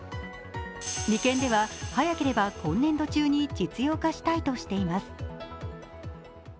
理研では、早ければ今年度中に実用化したいとしています。